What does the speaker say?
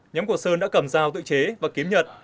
nhóm của sơn đã cầm rào tự chế và kiếm nhật